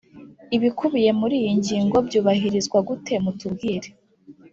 ibikubiye muri iyi ngingo byubahirizwa gute mutubwire